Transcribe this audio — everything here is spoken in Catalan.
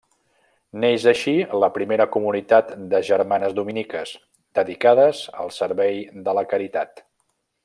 Neix així la primera comunitat de germanes dominiques, dedicades al servei de la caritat.